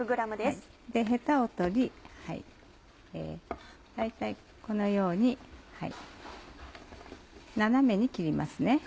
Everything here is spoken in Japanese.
ヘタを取り大体このように斜めに切りますね。